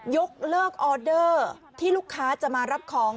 ยกเลิกออเดอร์ที่ลูกค้าจะมารับของ